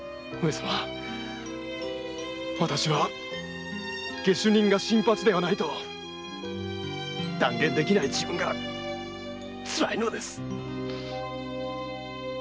私は下手人が新八ではないと断言できない自分が辛いのです。